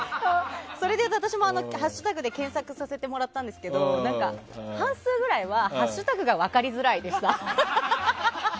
それでいうと私もハッシュタグで検索させてもらったんですけど半数ぐらいはハッシュタグが分かりづらいでした。